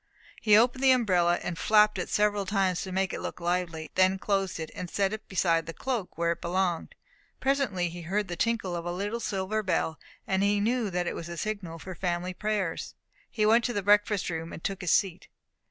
He opened the umbrella, and flapped it several times to make it look lively, then closed it, and set it beside the cloak where it belonged. Presently he heard the tinkle of a little silver bell, and knew that it was the signal for family prayers. He went to the breakfast room, and took his seat.